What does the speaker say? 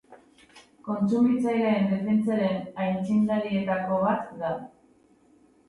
Kontsumitzaileen defentsaren aitzindarietako bat da.